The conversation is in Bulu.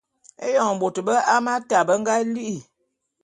Eyon bôt bé Hamata be nga li'i.